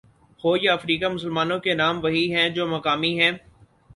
ہو یا افریقہ مسلمانوں کے نام وہی ہیں جو مقامی ہیں۔